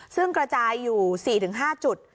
ซึ่งกระจายอยู่๔๕จุด